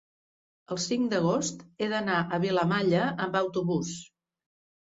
el cinc d'agost he d'anar a Vilamalla amb autobús.